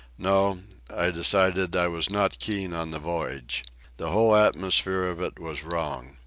No, I decided I was not keen on the voyage. The whole atmosphere of it was wrong.